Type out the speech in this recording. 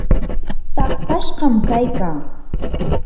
saqsashqam kaykaa.